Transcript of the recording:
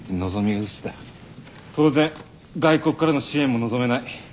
当然外国からの支援も望めない。